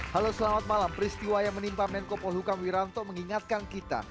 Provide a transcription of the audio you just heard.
halo selamat malam peristiwa yang menimpa menko polhukam wiranto mengingatkan kita